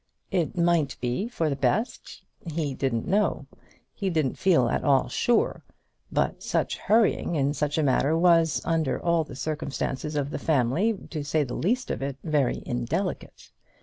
It might be for the best. He didn't know. He didn't feel at all sure. But such hurrying in such a matter was, under all the circumstances of the family, to say the least of it, very indelicate.